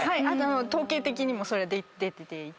統計的にもそれで出ていて。